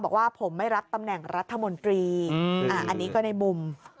บอกว่าผมไม่รับตำแหน่งรัฐมนตรีอันนี้ก็ในมุม